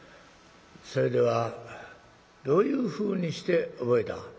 それではどういうふうにして覚えた？」。